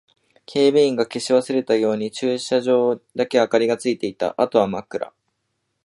警備員が消し忘れたように駐輪場だけ明かりがついていた。あとは真っ暗。